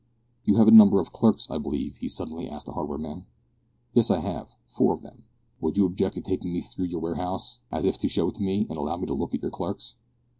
"You have a number of clerks, I believe?" he suddenly asked the hardware man. "Yes, I have four of them." "Would you object to taking me through your warehouse, as if to show it to me, and allow me to look at your clerks?"